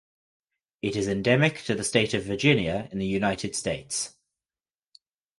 It is endemic to the state of Virginia in the United States.